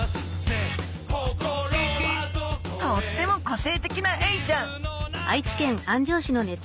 とっても個性的なエイちゃん！